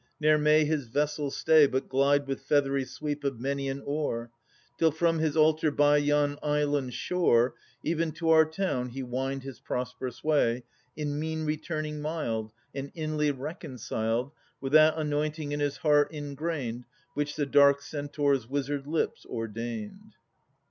II Ne'er may his vessel stay, But glide with feathery sweep of many an oar, Till from his altar by yon island shore Even to our town he wind his prosperous way, In mien returning mild, And inly reconciled, With that anointing in his heart ingrained, Which the dark Centaur's wizard lips ordained.